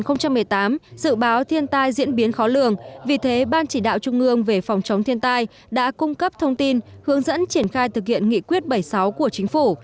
năm hai nghìn một mươi tám dự báo thiên tai diễn biến khó lường vì thế ban chỉ đạo trung ương về phòng chống thiên tai đã cung cấp thông tin hướng dẫn triển khai thực hiện nghị quyết bảy mươi sáu của chính phủ